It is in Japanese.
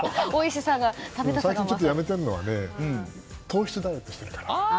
最近、ちょっとやめてるのはね糖質ダイエットしてるから。